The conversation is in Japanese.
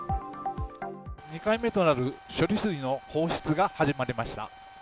２回目となる処理水の放出が始まりました。